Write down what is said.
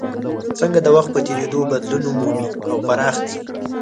څنګه د وخت په تېرېدو بدلون مومي او پرمخ ځي.